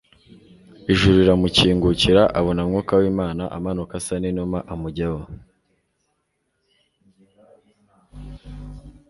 ijuru riramukingukira abona Mwuka w'Imana amanuka asa n'inuma amujyaho